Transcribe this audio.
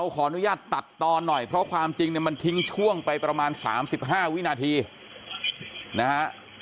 ขออนุญาตตัดตอนหน่อยเพราะความจริงเนี่ยมันทิ้งช่วงไปประมาณ๓๕วินาทีนะฮะ